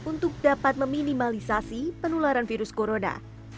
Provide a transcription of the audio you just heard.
untuk dapat meminimalisasi penularan virus corona